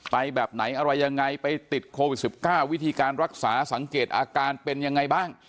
แบบไหนอะไรยังไงไปติดโควิด๑๙วิธีการรักษาสังเกตอาการเป็นยังไงบ้าง